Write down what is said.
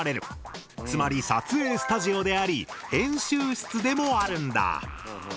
つまり撮影スタジオであり編集室でもあるんだ。